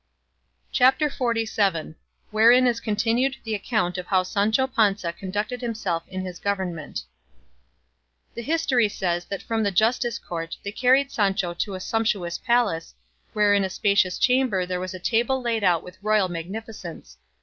CHAPTER XLVII. WHEREIN IS CONTINUED THE ACCOUNT OF HOW SANCHO PANZA CONDUCTED HIMSELF IN HIS GOVERNMENT The history says that from the justice court they carried Sancho to a sumptuous palace, where in a spacious chamber there was a table laid out with royal magnificence.